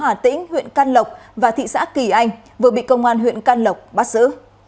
hà tĩnh huyện can lộc và thị xã kỳ anh vừa bị công an huyện can lộc bắt giữ